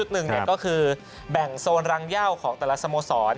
หนึ่งก็คือแบ่งโซนรังเย่าของแต่ละสโมสร